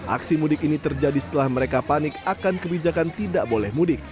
aksi mudik ini terjadi setelah mereka panik akan kebijakan tidak boleh mudik